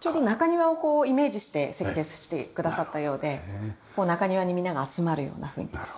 ちょうど中庭をイメージして設計してくださったようで中庭にみんなが集まるような雰囲気ですね。